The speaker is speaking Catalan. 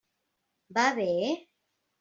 Va bé?